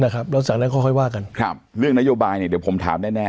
นะครับแล้วสักนั้นค่อยค่อยว่ากันครับเรื่องนโยบายนี่เดี๋ยวผมถามแน่แน่